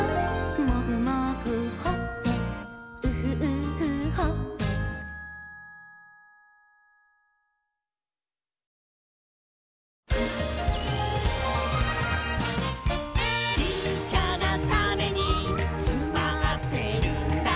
「モグモグほっぺウフウフほっぺ」「ちっちゃなタネにつまってるんだ」